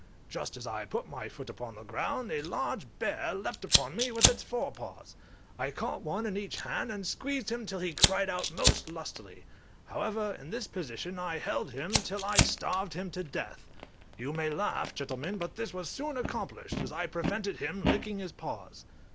Just as I put my foot upon the ground a large bear leaped upon me with its fore paws; I caught one in each hand, and squeezed him till he cried out most lustily; however, in this position I held him till I starved him to death. You may laugh, gentlemen, but this was soon accomplished, as I prevented him licking his paws.